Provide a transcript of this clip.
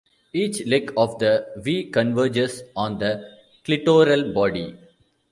Each "leg" of the "V" converges on the clitoral body.